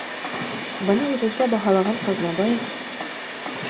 Быны үҙенсә баһалаған Ҡаҙнабаев: